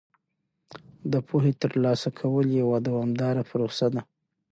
د پوهې ترلاسه کول یوه دوامداره پروسه ده.